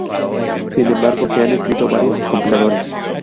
Sin embargo se han escrito varios compiladores.